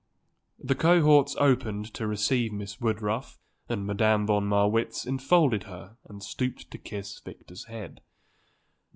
The cohorts opened to receive Miss Woodruff and Madame von Marwitz enfolded her and stooped to kiss Victor's head.